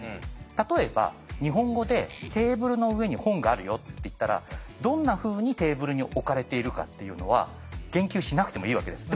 例えば日本語で「テーブルの上に本があるよ」って言ったらどんなふうにテーブルに置かれているかっていうのは言及しなくてもいいわけです。